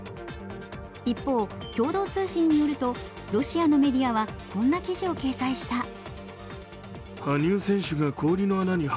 一方、共同通信によるとロシアのメディアはこんな記事を掲載した。